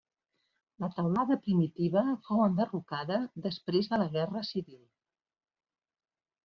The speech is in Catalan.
La teulada primitiva fou enderrocada després de la guerra civil.